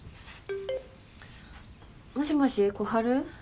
もしもし小春？